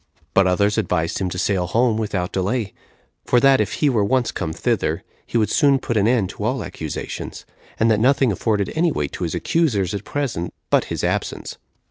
But others advised him to sail home without delay; for that if he were once come thither, he would soon put an end to all accusations, and that nothing afforded any weight to his accusers at present but his absence.